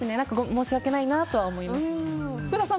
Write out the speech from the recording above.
申し訳ないなとは思います。